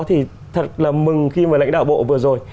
thì thật là mừng khi mà lãnh đạo bộ vừa rồi